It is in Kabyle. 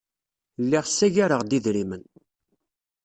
Lliɣ ssagareɣ-d idrimen.